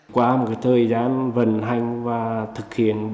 qua một thời gian vận hành và thực hiện